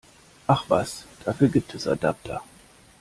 Ach was, dafür gibt es Adapter!